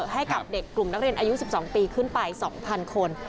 ให้กับเด็กกลุ่มนักเรียนอายุ๑๒ปีขึ้นไป๒๐๐คน